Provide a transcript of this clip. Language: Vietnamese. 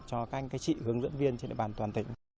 cho các anh cái trị hướng dẫn viên trên địa bàn toàn tỉnh